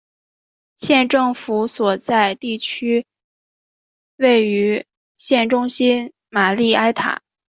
县政府所在地位于县中心的玛丽埃塔。